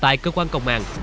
tại cơ quan công an